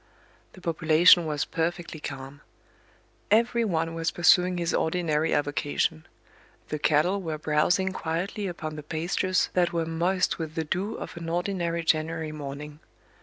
The population was perfectly calm; every one was pursuing his ordinary avocation; the cattle were browsing quietly upon the pastures that were moist with the dew of an ordinary January morning.